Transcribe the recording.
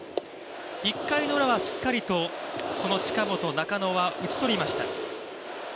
１回のウラはしっかりとこの近本、中野は打ち取りました。